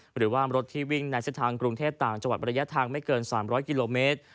หรือว่ารถที่วิ่งในเส้นทางกรุงเทพต่างจังหวัดระยะทางไม่เกิน๓๐๐กิโลเมตร